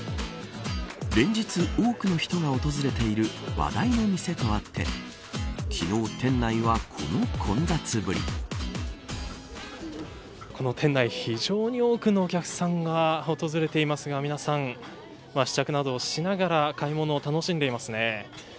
連日、多くの人が訪れている話題のお店とあってこの店内、非常に多くのお客さんが訪れていますが皆さん、試着などをしながら買い物を楽しんでいますね。